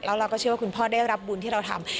แล้วเราก็เชื่อว่าคุณพ่อได้รับบุญที่เราทำ